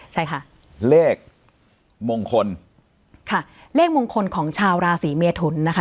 ใช่ค่ะเลขมงคลค่ะเลขมงคลของชาวราศีเมทุนนะคะ